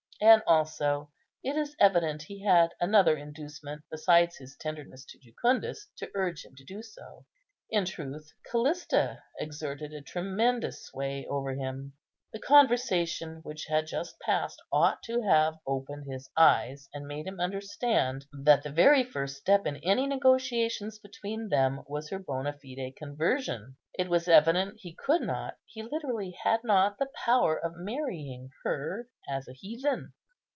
And, also, it is evident he had another inducement besides his tenderness to Jucundus to urge him to do so. In truth, Callista exerted a tremendous sway over him. The conversation which had just passed ought to have opened his eyes, and made him understand that the very first step in any negotiations between them was her bonâ fide conversion. It was evident he could not, he literally had not the power of marrying her as a heathen.